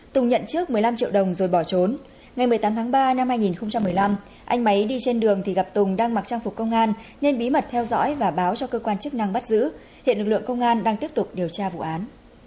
tùng nhận trước một mươi năm triệu đồng rồi bỏ trốn ngày một mươi tám tháng ba năm hai nghìn một mươi năm anh máy đi trên đường thì gặp tùng đang mặc trang phục công an nên bí mật theo dõi và báo cho cơ quan chức năng bắt giữ hiện lực lượng công an đang tiếp tục điều tra vụ án